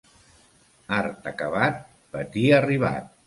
Art acabat, patir arribat.